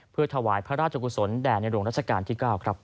เพื่อถวายพระราชกุศลแด่ในหลวงรัชกาลที่๙ครับ